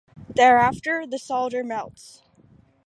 Thereafter, the solder melts.